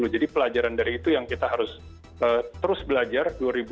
jadi pelajaran dari itu yang kita harus terus belajar